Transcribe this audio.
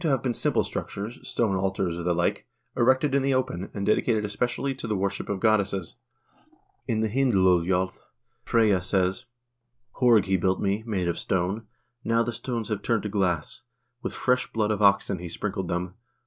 108 HISTORY OF THE NORWEGIAN PEOPLE been simple structures, stone altars, or the like, erected in the open, and dedicated especially to the worship of goddesses. In the " Hynd luljo'S" Freyja says : Horg he built me, made of stone, now the stones have turned to glass ; with fresh blood of oxen he sprinkled them.